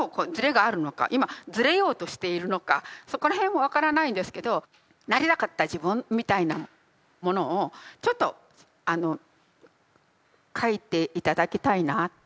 今ずれようとしているのかそこら辺は分からないんですけど「なりたかった自分」みたいなものをちょっと書いて頂きたいなっていうのがあって。